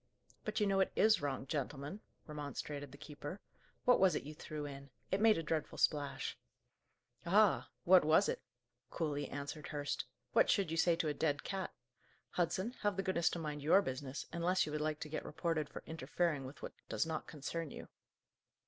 "But you know it is wrong, gentlemen," remonstrated the keeper. "What was it you threw in? It made a dreadful splash." "Ah! what was it?" coolly answered Hurst. "What should you say to a dead cat? Hudson, have the goodness to mind your business, unless you would like to get reported for interfering with what does not concern you."